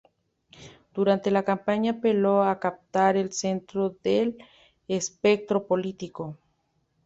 Durante la campaña apeló a captar el centro del espectro político.